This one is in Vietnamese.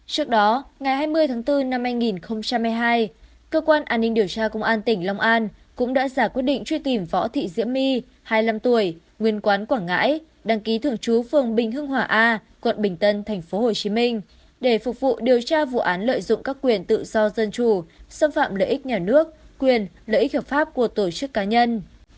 trước đó ngày hai mươi tháng bốn năm hai nghìn một mươi hai cơ quan an ninh điều tra công an tỉnh long an cũng đã giả quyết định truy tìm võ thị diễm my hai mươi năm tuổi nguyên quán quảng ngãi đăng ký thường trú phường bình hưng hòa a quận bình tân tp hcm để phục vụ điều tra vụ án lợi dụng các quyền tự do dân chủ xâm phạm lợi ích nhà nước quyền lợi ích hợp pháp của tổ chức cá nhân